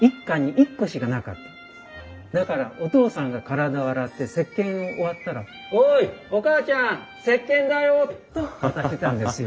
だからおとうさんが体を洗ってせっけんを終わったら「おい！おかあちゃんせっけんだよ！」と渡してたんですよ。